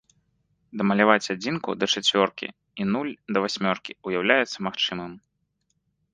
Дамаляваць адзінку да чацвёркі і нуль да васьмёркі ўяўляецца магчымым.